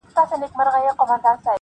چي مو ګران افغانستان هنرستان سي-